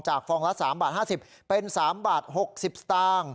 ฟองละ๓บาท๕๐เป็น๓บาท๖๐สตางค์